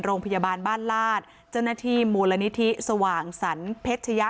โรงพยาบาลบ้านลาดจนทีมมูลนิธิสว่างสรรพเทศยะ